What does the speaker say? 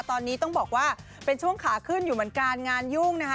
ตอนนี้ต้องบอกว่าเป็นช่วงขาขึ้นอยู่เหมือนกันงานยุ่งนะคะ